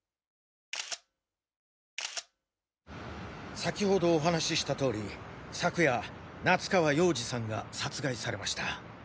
先ほどお話しした通り昨夜夏川洋二さんが殺害されました。